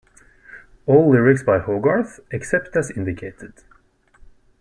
All lyrics by Hogarth except as indicated.